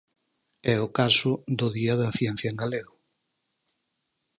É o caso do Día da Ciencia en Galego.